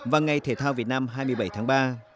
và ngày thể thao việt nam hai mươi bảy tháng ba